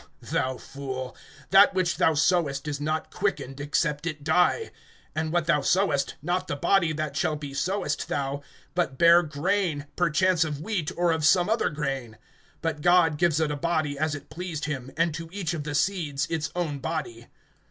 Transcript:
(36)Thou fool, that which thou sowest is not quickened, except it die; (37)and what thou sowest, not the body that shall be sowest thou, but bare grain, perchance of wheat, or of some other grain. (38)But God gives it a body as it pleased him, and to each of the seeds its own body.